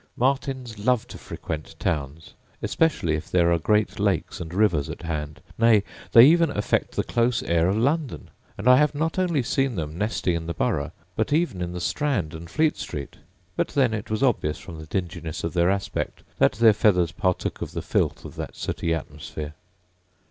Martins love to frequent towns, especially if there are great lakes and rivers at hand; nay, they even affect the close air of London. And I have not only seen them nesting in the Borough, but even in the Strand and Fleet street; but then it was obvious from the dinginess of their aspect that their feathers partook of the filth of that sooty atmosphere.